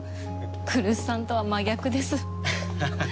来栖さんとは真逆ですははっ。